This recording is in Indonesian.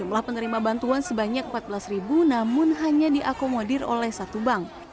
jumlah penerima bantuan sebanyak empat belas namun hanya diakomodir oleh satu bank